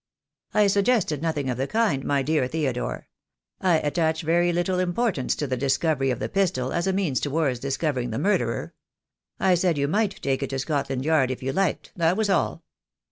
"I suggested nothing of the kind, my dear Theodore. I attach very little importance to the discovery of the pistol as a means towards discovering the murderer. I said you might take it to Scotland Yard if you liked — that was all."